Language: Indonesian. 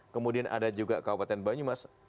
kemudian ada juga kabupaten banyumas